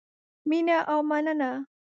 مینه او مننه